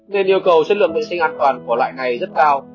nên yêu cầu chất lượng vệ sinh an toàn của loại này rất cao